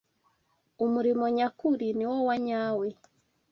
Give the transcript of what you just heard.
umurimo nyakuri niwo wanyawe